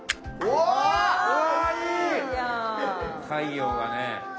太陽がね。